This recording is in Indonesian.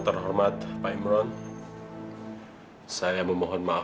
bila memulai sukacita kau